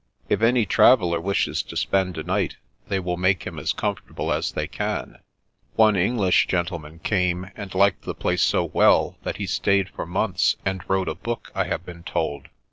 If any traveller wishes to spend a night, they will make him as comfortable as they can. One English gentle The Brat 99 man came, and liked the place so well, that he stayed for months, and wrote a book, I have been told.